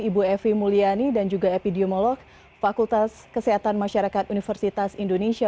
ibu evi mulyani dan juga epidemiolog fakultas kesehatan masyarakat universitas indonesia